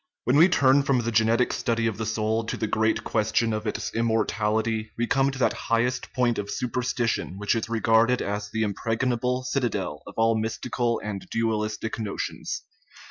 \17HEN we turn from the genetic study of the soul '* to the great question of its immortality, we come to that highest point of superstition which is regarded as the impregnable citadel of all mystical and dual istic notions.